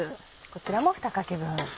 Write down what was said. こちらも２かけ分。